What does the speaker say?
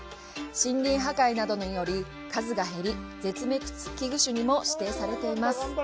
森林破壊などにより数が減り絶滅危惧種にも指定されています。